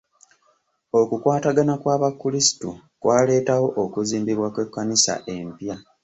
Okukwatagana kw'abakrisitu kwaleetawo okuzimbibwa kw'ekkanisa empya.